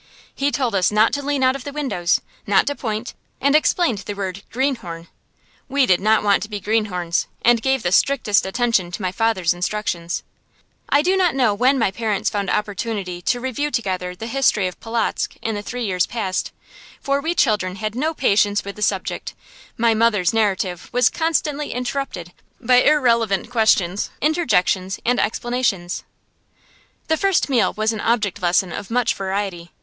He told us not to lean out of the windows, not to point, and explained the word "greenhorn." We did not want to be "greenhorns," and gave the strictest attention to my father's instructions. I do not know when my parents found opportunity to review together the history of Polotzk in the three years past, for we children had no patience with the subject; my mother's narrative was constantly interrupted by irrelevant questions, interjections, and explanations. [Illustration: UNION PLACE (BOSTON) WHERE MY NEW HOME WAITED FOR ME] The first meal was an object lesson of much variety.